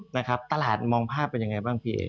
นะครับตลาดมองภาพเป็นยังไงบ้างพี่